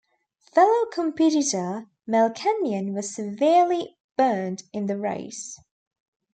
Fellow competitor Mel Kenyon was severely burned in the race.